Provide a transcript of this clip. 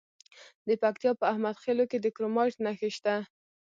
د پکتیا په احمد خیل کې د کرومایټ نښې شته.